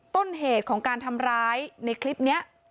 ต้นเหตุของการทำร้ายในคลิปนี้